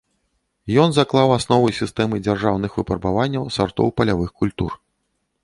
Ён заклаў асновы сістэмы дзяржаўных выпрабаванняў сартоў палявых культур.